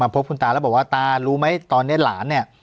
พบคุณตาแล้วบอกว่าตารู้ไหมตอนนี้หลานเนี่ย